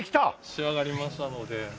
仕上がりましたので。